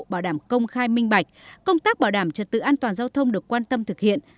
bảo đảm công khai minh bạch công tác bảo đảm trật tự an toàn giao thông được quan tâm thực hiện